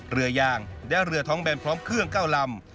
เรือยางและเรือท้องแบนพร้อมเครื่อง๙ลำ